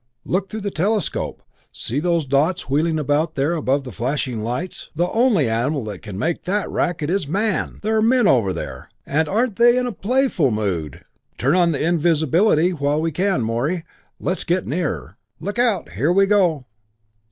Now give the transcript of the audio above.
Look through the telescope see those dots wheeling about there above the flashing lights? The only animal that can make that racket is man! There are men over there and they aren't in a playful mood! Turn on the invisibility while we can, Morey and let's get nearer!" "Look out here we go!"